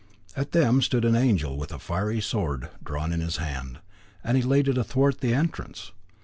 At them stood an angel with a fiery sword drawn in his hand, and he laid it athwart the entrance.